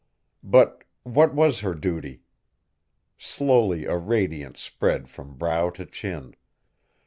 But what was her duty? Slowly a radiance spread from brow to chin.